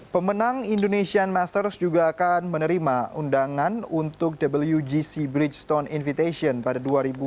pemenang indonesian masters juga akan menerima undangan untuk wgc bridgetone invitation pada dua ribu dua puluh